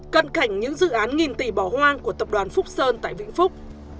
cận cảnh những dự án nghìn tỷ bỏ hoang của tập đoàn phúc sơn tại vĩnh phúc